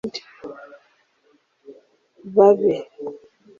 Babe